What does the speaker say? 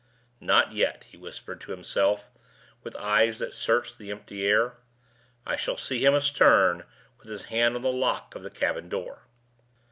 "Not yet!" he whispered to himself, with eyes that searched the empty air. "I shall see him astern, with his hand on the lock of the cabin door."